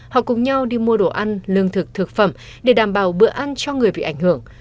họ cùng nhau đi mua đồ ăn lương thực thực phẩm để đảm bảo bữa ăn cho người bị ảnh hưởng